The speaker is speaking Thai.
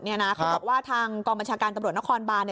เขาบอกว่าทางกองบัญชาการตำรวจนครบาน